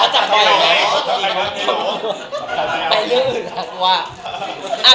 จับไข่ไหม